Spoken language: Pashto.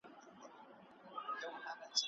آیا پمپ تر لاس ډېري اوبه راوباسي؟